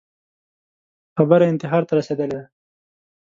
خبره انتحار ته رسېدلې ده